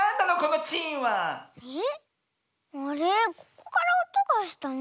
ここからおとがしたね。